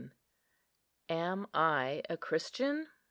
AM I A CHRISTIAN?